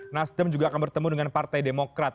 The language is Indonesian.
nasdem juga akan bertemu dengan partai demokrat